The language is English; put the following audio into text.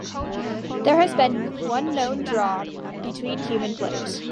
There has been one known draw between human players.